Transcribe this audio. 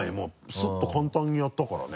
スッと簡単にやったからね。